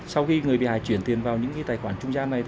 sau khi người bị hại chuyển tiền vào những tài khoản trung gian này